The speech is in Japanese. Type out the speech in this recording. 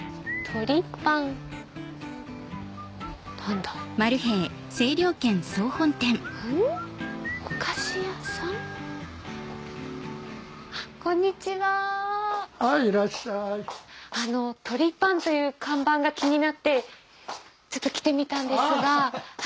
「鳥ぱん」という看板が気になって来てみたんですが。